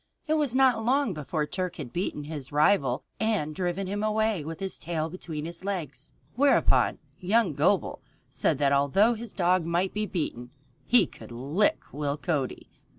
It was not long before Turk had beaten his rival and driven him away with his tail between his legs. Whereupon young Gobel said that although his dog might be beaten, he could lick Will Cody.